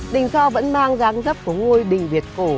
đình so vẫn mang dáng dấp của ngôi đình việt cổ